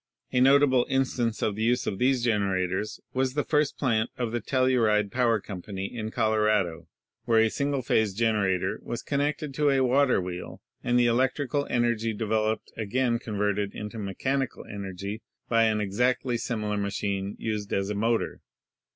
A notable instance of the use of these generators was the first plant of the Telluride Power Company in Colorado, where a single phase generator was connected to a water wheel and the electrical energy developed again converted into mechanical energy by an exactly similar machine used as a motor.